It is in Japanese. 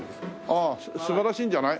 ああ素晴らしいんじゃない？